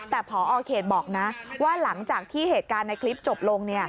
แต่พอเขตบอกนะว่าหลังจากที่เหตุการณ์ในคลิปจบลง